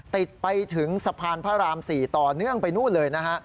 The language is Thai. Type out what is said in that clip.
ติดไปถึงสะพานพระราม๔ต่อเนื่องไปนู่นเลยนะฮะ